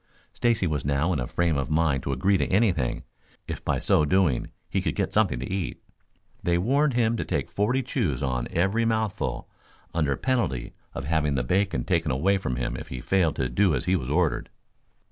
Stacy was now in a frame of mind to agree to anything, if by so doing he could get something to eat. They warned him to take forty chews on every mouthful, under penalty of having the bacon taken away from him if he failed to do as he was ordered.